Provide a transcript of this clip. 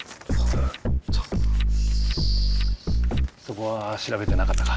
そこは調べてなかったか？